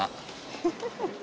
フフフ。